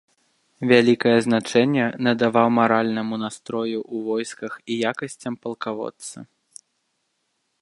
Вялікае значэнне надаваў маральнаму настрою ў войсках і якасцям палкаводца.